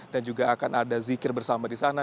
dan juga akan ada zikir bersama di sana